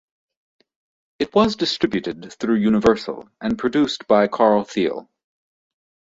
It was distributed through Universal and produced by Carl Thiel.